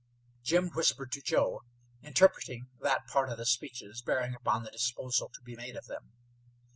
Jim whispered to Joe, interpreting that part of the speeches bearing upon the disposal to be made of them.